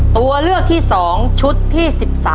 ตัวเลือกที่๒ชุดที่๑๓